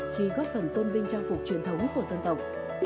khi góp phần tôn vinh trang phục truyền thống của dân tộc